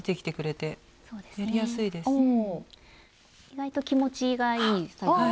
意外と気持ちがいい。